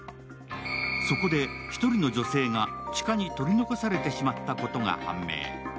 そこで、一人の女性が地下に取り残されてしまったことが判明。